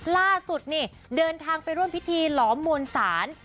ล่าสุดนี่เดินทางไปร่วมพิธีหลอมมวลศาล